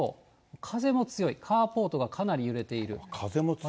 風も強い、カーポートがかなり揺風も強い。